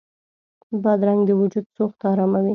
بادرنګ د وجود سوخت اراموي.